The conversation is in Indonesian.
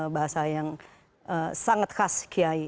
bahasa yang sangat khas kiai